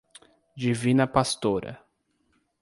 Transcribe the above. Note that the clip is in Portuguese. Divina Pastora